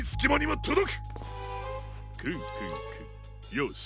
よし。